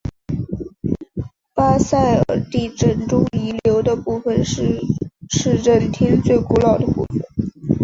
巴塞尔地震中遗留的部分是市政厅最古老的部分。